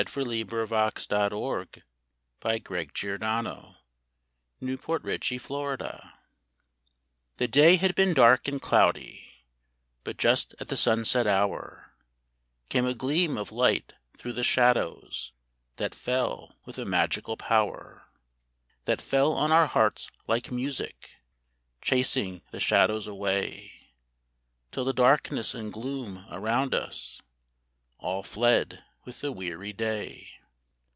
Sunshine be fair, and roses bloom About thy path alway. 90 A WAIF. HE day had been dark and cloudy, But just at the sunset hour Came a gleam of light through the shadows That fell with a magical power ; That fell on our hearts like music, Chasing the shadows away, Till the darkness and gloom around us All fled with the weary day.